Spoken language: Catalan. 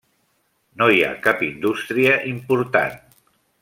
No hi ha cap indústria important.